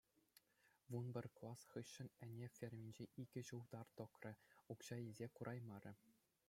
Вун пӗр класс хыҫҫӑн ӗне ферминче икӗ ҫул тар тӑкрӗ, укҫа илсе кураймарӗ.